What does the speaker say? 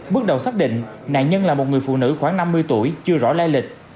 bước đầu xác định nạn nhân là một người phụ nữ khoảng năm mươi tuổi chưa rõ lai lịch